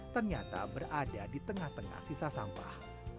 ternyata berada di tengah tengah sisa sampah